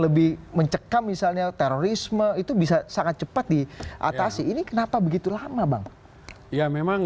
lebih mencekam misalnya terorisme itu bisa sangat cepat diatasi ini kenapa begitu lama bang ya memang